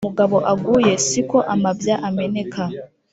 Uko umugabo aguye si ko amabya ameneka.